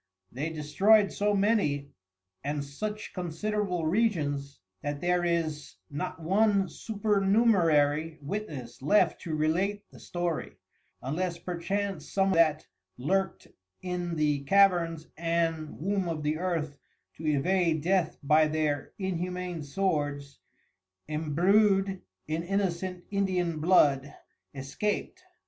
They destroy'd so many and such considerable Regions, that there is not one supernumerary witness left to relate the Story, unless perchance some that lurkt in the Caverns and Womb of the Earth to evade death by their inhumane Swords embrew'd in Innocent Indian blood, escaped.